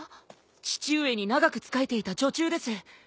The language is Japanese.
父上に長く仕えていた女中です。